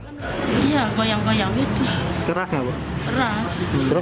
saya lari kotong nenek keluar